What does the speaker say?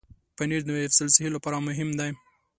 پنېر د حفظ الصحې لپاره مهم دی.